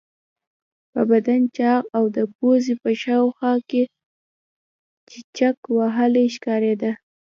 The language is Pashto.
په بدن چاغ او د پوزې په شاوخوا کې چیچک وهلی ښکارېده.